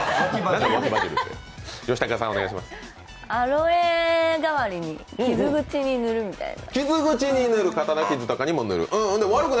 アロエ代わりに傷口に塗るみたいな。